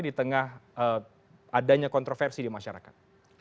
di tengah adanya kontroversi di masyarakat